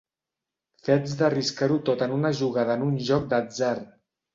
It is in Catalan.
Fets d'arriscar-ho tot en una jugada en un joc d'atzar.